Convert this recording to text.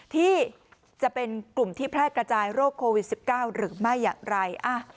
ที่จะเป็นกลุ่มที่แพร่กระจายโรคโควิด๑๙หรือไม่อย่างไร